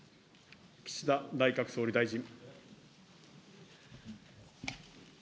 岸田内閣総理大臣。